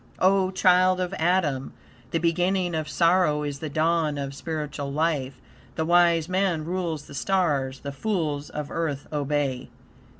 O child of Adam! The beginning of sorrow is the dawn of spiritual life. The wise man rules the stars; the fools of Earth obey.